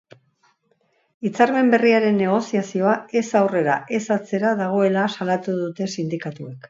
Hitzarmen berriaren negoziazioa ez aurrera ez atzera dagoela salatu dute sindikatuek.